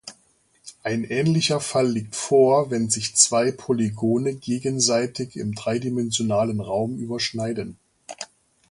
Ein ähnlicher Fall liegt vor, wenn sich zwei Polygone gegenseitig im dreidimensionalen Raum überschneiden.